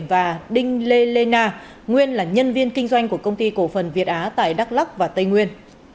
và đinh lê lê na nguyên là nhân viên kinh doanh của công ty cổ phần việt á tại đắk lắc và tây nguyên